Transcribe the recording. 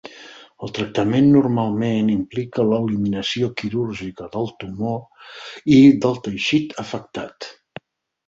El tractament normalment implica l'eliminació quirúrgica del tumor i del teixit afectat.